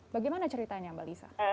bagaimana ceritanya mbak lisa